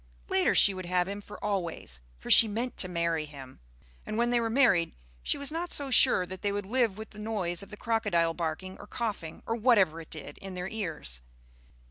Later she would have him for always, for she meant to marry him. And when they were married she was not so sure that they would live with the noise of the crocodile barking or coughing, or whatever it did, in their ears.